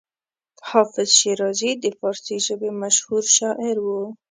حافظ شیرازي د فارسي ژبې مشهور شاعر و.